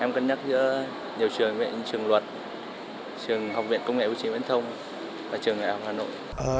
em cân nhắc giữa nhiều trường trường luật trường học viện công nghệ vũ trí vận thông và trường đại học hà nội